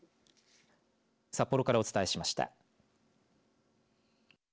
札幌からお伝えしました。